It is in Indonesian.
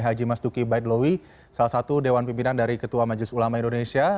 haji mas duki baitlawi salah satu dewan pimpinan dari ketua majelis ulama indonesia